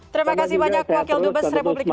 terima kasih banyak wakil dubes republik indonesia